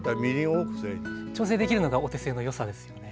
調整できるのがお手製のよさですよね。